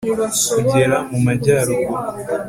kugera mu majyaruguru